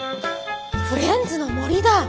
フレンズの森だ！